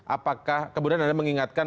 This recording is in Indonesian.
apakah kemudian anda mengingatkan